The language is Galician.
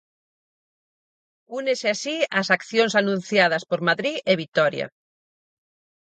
Únese así ás accións anunciadas por Madrid e Vitoria.